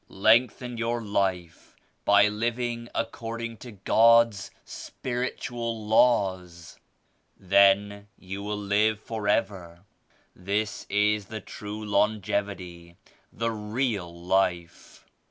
Lengthen your life by living according to God's spiritual laws. Then you will live forever. This is the true longevity, the real life.